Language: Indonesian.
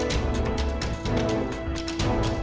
dari tadi mukanya bete banget